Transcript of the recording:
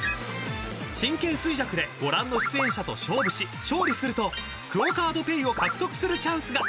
［神経衰弱でご覧の出演者と勝負し勝利するとＱＵＯカードＰａｙを獲得するチャンスが］